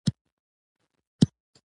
اجرائیه قوه پر دوه ډوله وېشل سوې ده.